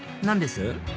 何です？